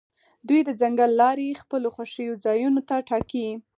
دوی د ځنګل لارې خپلو خوښې ځایونو ته ټاکي